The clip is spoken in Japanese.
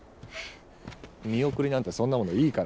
見送りなんてそんなものいいから。